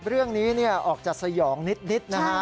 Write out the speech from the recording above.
เรื่องนี้ออกจากสยองนิดนะฮะ